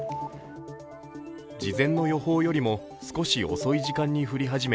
事前の予報よりも少し遅い時間に降り始め、